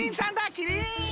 キリン？